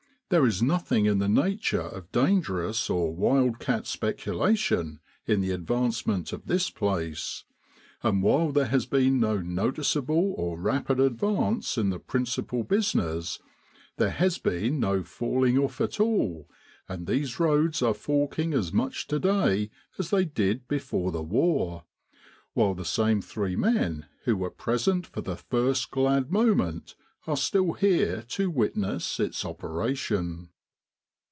There is nothing in the nature of dangerous or wild cat speculation in the advancement of this place, and while there has been no noticeable or rapid advance in the principal business, there has been no falling off at all, and these roads are forking as much to day as they did before the war, while the same three men who were present for the first glad moment are still here to witness its operation.